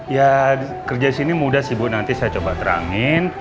ya kerja sini mudah sih bu nanti saya coba terangin